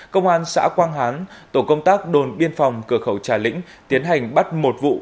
công an xã quang hán tổ công tác đồn biên phòng cửa khẩu trà lĩnh tiến hành bắt một vụ